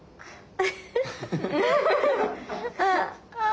ああ。